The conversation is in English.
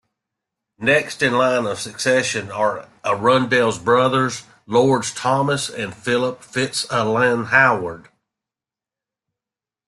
Next in line of succession are Arundel's brothers, Lords Thomas and Philip Fitzalan-Howard.